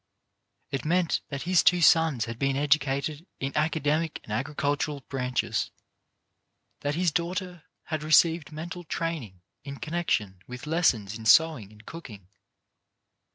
It meant that his two sons had been educated in academic and agricultural branches, that his daughter had received mental training in connec tion with lessons in sewing and cooking.